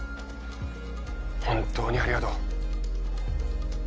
本当にありがとう。